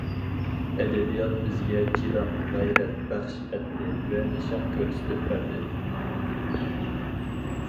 ئەدەبىيات بىزگە چىدام، غەيرەت بەخش ئەتتى ۋە نىشان كۆرسىتىپ بەردى.